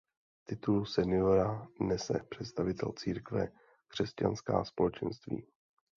Titul seniora nese představitel Církve Křesťanská společenství.